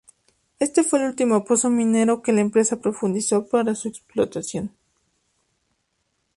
Este fue el último pozo minero que la empresa profundizó para su explotación.